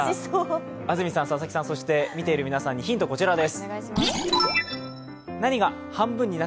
安住さん、佐々木さん、見てる皆さんにヒント、こちらです。